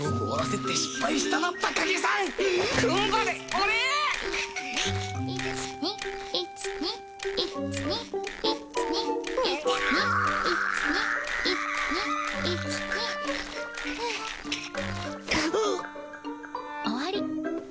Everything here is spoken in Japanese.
終わり。